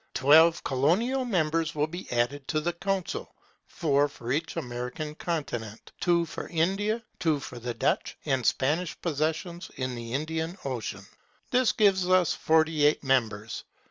Twelve colonial members may be added to the Council; four for each American Continent, two for India, two for the Dutch and Spanish possessions in the Indian Ocean. This gives us forty eight members.